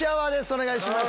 お願いします！